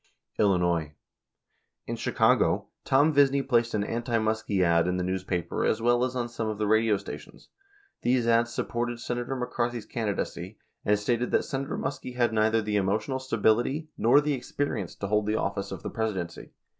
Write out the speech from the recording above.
Illinois: In Chicago, Tom Visney placed an anti Muskie ad in the newspaper as well as on some of the radio stations. 98 These ads sup ported Senator McCarthy's candidacy, and stated that Senator Muskie had neither the emotional stability nor the experience to hold the of fice of the Presidency.